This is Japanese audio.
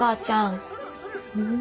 うん？